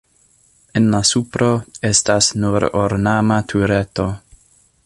En la supro estas nur ornama tureto.